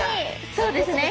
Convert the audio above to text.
そうですね。